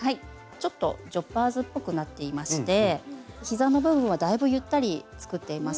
ちょっとジョッパーズっぽくなっていまして膝の部分はだいぶゆったり作っています。